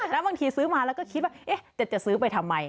แล้วบางทีซื้อมาแล้วก็คิดว่าจะซื้อไปทำไม